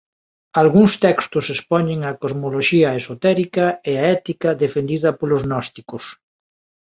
Algúns textos expoñen a cosmoloxía esotérica e a ética defendida polos gnósticos.